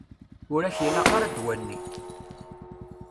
Ur ak-ilaq ara ddwa-nni.